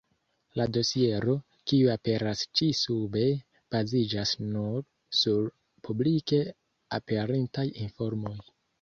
La dosiero, kiu aperas ĉi-sube, baziĝas nur sur publike aperintaj informoj.